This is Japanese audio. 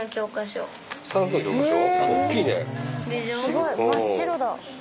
すごい真っ白だ。